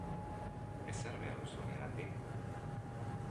Ezer behar duzu nigandik?.